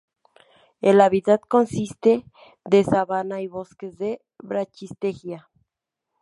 El hábitat consiste de sabana y bosques de "Brachystegia".